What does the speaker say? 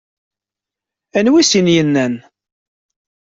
Anwa ay asen-yennan?